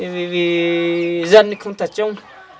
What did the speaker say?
vì dân không tập trung